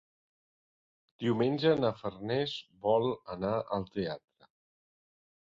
Diumenge na Farners vol anar al teatre.